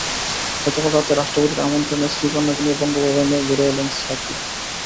গতকাল রাতে রাষ্ট্রপতির আমন্ত্রণে স্ত্রী কন্যাকে নিয়ে বঙ্গভবনে ঘুরে এলেন সাকিব।